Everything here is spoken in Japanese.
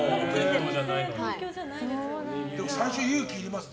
最初勇気いりますね。